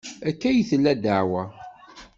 Akka ay tella ddeɛwa.